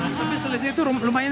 tapi selisih itu lumayan